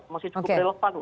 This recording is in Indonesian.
masih cukup relevan